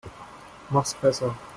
Mach's besser.